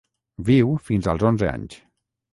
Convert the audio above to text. Viu fins als onze anys.